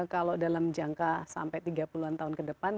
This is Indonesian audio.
kalau dalam jangka sampai tiga puluh an tahun ke depan